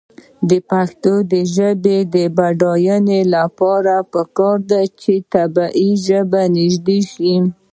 د پښتو ژبې د بډاینې لپاره پکار ده چې طبعي ژبه نژدې شي.